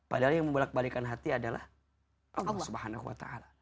padahal yang membalikkan hati adalah allah swt